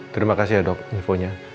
terima kasih ya dok infonya